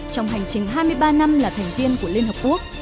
trong hành trình hai mươi ba năm là thành viên của liên hợp quốc